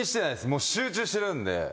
もう集中してるんで。